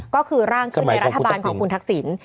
ก็คือร่างขึ้นในรัฐบาลของคุณทักษิณ